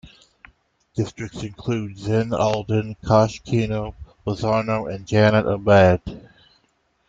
Districts include Zeyn Aldin, Koshkeno, Bazarno, and Janat abad.